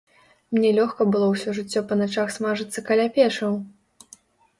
Мне лёгка было ўсё жыццё па начах смажыцца каля печаў?